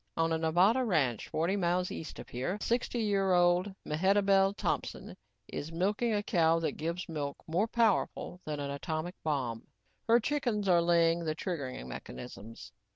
"On a Nevada ranch, forty miles east of here, 60 year old Mehatibel Thompson is milking a cow that gives milk more powerful than an atomic bomb. Her chickens are laying the triggering mechanisms.